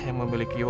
yang memiliki wajahmu